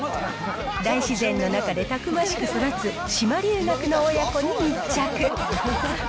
大自然の中でたくましく育つ島留学の親子に密着。